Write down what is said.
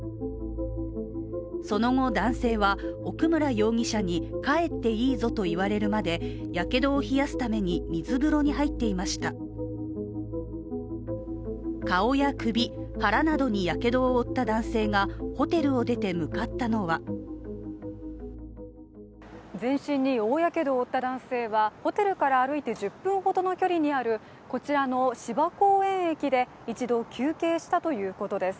その後、男性は奥村容疑者に帰っていいぞと言われるまでやけどを冷やすために水風呂に入っていました顔や首、腹などにやけどを負った男性がホテルを出て向かったのは全身に大やけどを負った男性はホテルから歩いて１０分ほどの距離にあるこちらの芝公園駅で、一度休憩したということです。